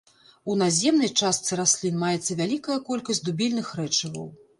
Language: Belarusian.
У наземнай частцы раслін маецца вялікая колькасць дубільных рэчываў.